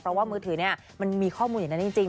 เพราะว่ามือถือมันมีข้อมูลอย่างนั้นจริง